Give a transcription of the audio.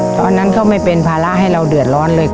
ตอนนั้นเขาไม่เป็นภาระให้เราเดือดร้อนเลย